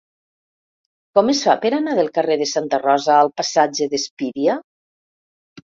Com es fa per anar del carrer de Santa Rosa al passatge d'Espíria?